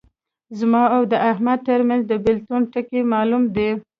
زما او د احمد ترمنځ د بېلتون ټکی معلوم دی.